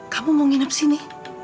kamu mau nginep sini